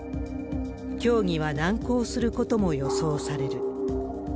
協議は難航することも予想される。